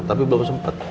tapi belum sempet